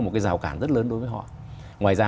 một cái rào cản rất lớn đối với họ ngoài ra